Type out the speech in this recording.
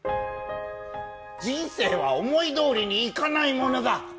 人生は思いどおりにいかないものだ。